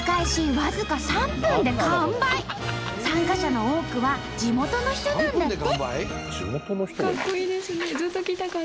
参加者の多くは地元の人なんだって。